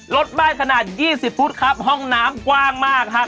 รถบ้านขนาดยี่สิบฟุตครับห้องน้ำกว้างมากครับ